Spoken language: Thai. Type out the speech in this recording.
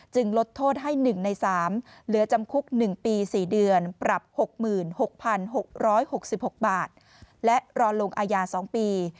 ลดโทษให้๑ใน๓เหลือจำคุก๑ปี๔เดือนปรับ๖๖๖๖บาทและรอลงอาญา๒ปี